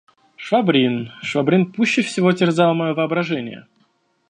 Швабрин, Швабрин пуще всего терзал мое воображение.